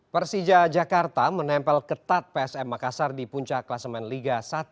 persija jakarta menempel ketat psm makassar di puncak klasemen liga satu